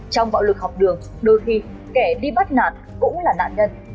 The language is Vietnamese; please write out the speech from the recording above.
trong bạo lực học đường đôi khi kẻ đi bắt nạt cũng là nạn nhân